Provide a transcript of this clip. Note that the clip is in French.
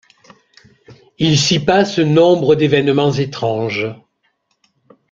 Il s'y passe nombre d'évènements étranges.